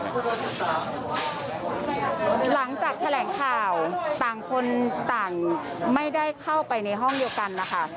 หลังจากแถลงข่าวต่างคนต่างไม่ได้เข้าไปในห้องเดียวกันนะคะ